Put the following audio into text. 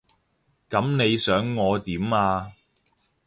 噉你想我點啊？